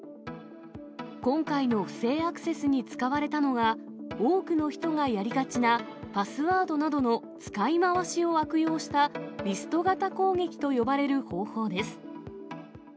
今回の不正アクセスに使われたのが、多くの人がやりがちなパスワードなどの使い回しを悪用したリスト型攻撃と呼ばれる方法です。